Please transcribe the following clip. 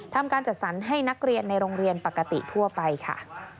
การจัดสรรให้นักเรียนในโรงเรียนปกติทั่วไปค่ะ